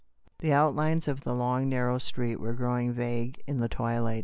The outlines of the long narrow street were growing vague in the twilight.